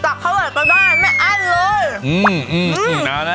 จากเขาไปได้แม่อ้านเลย